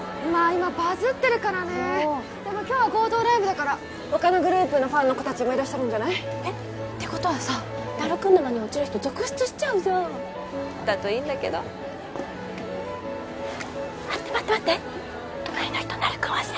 今バズってるからねでも今日は合同ライブだから他のグループのファンの子達もいらっしゃるんじゃない？えっ？ってことはさなる君沼に落ちる人続出しちゃうじゃんだといいんだけど待って待って待って隣の人なる君推し